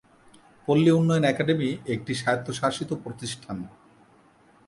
পল্লী উন্নয়ন একাডেমি একটি স্বায়ত্তশাসিত প্রতিষ্ঠান।